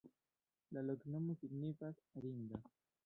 La loknomo signifas: ringa.